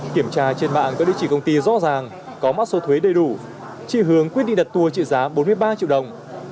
kiểm tra trên mạng có địa chỉ công ty rõ ràng có mã số thuế đầy đủ trị hướng quyết định đặt tour trị giá bốn mươi ba triệu đồng